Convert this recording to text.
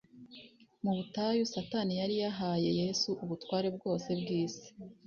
Mu butayu Satani yari yahaye Yesu ubutware bwose bw'isi